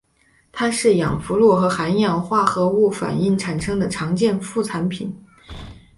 它是氟化氯与含氧化合物反应产生的常见副产物。